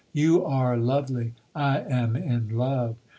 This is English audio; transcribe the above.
You are lovely, I am in love.